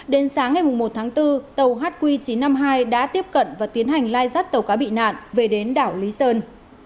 đến sáng ngày một tháng bốn tàu hq chín trăm năm mươi hai đã tiếp cận và tiến hành lai rắt tàu cá bị nạn về đến đảo lý sơn